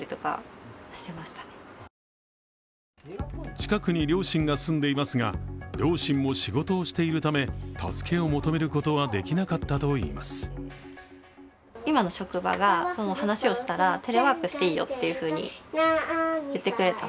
近くに両親が住んでいますが両親も仕事をしているため助けを求めることはできなかったといいます。